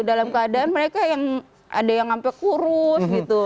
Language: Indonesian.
dalam keadaan mereka yang ada yang sampai kurus gitu